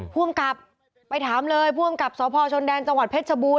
ภูมิกับไปถามเลยผู้อำกับสพชนแดนจังหวัดเพชรชบูร